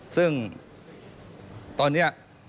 ซึ่งตอนนี้